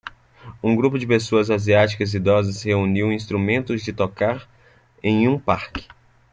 Um grupo de pessoas asiáticas idosas reuniu instrumentos de tocar em um parque.